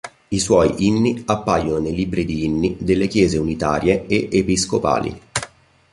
I suoi inni appaiono nei libri di inni delle Chiese Unitarie e Episcopali.